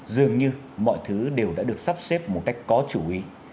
dường như mọi thứ đều đã được sắp xếp một cách có chú ý